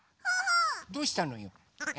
どうしたのよ？え？